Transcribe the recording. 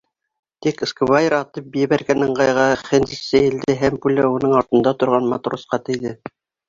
Тик сквайр атып ебәргән ыңғайға Хэндс эйелде һәм пуля уның артында торған матросҡа тейҙе.